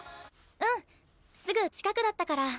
うんすぐ近くだったから。